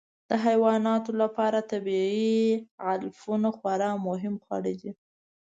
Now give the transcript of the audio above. د حیواناتو لپاره طبیعي علفونه خورا مهم خواړه دي.